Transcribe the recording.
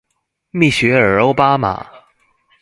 蜜雪兒歐巴馬